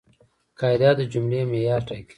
قاعده د جملې معیار ټاکي.